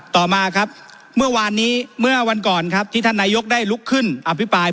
ต่อมาครับเมื่อวานนี้เมื่อวันก่อนครับที่ท่านนายกได้ลุกขึ้นอภิปราย